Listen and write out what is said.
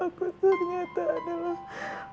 aku ternyata adalah makhlukmu yang lemah ya allah